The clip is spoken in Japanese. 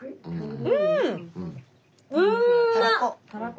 うん！